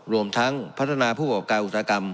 รวมทั้งพัฒนาผู้ประกอบการอุตสาหกรรม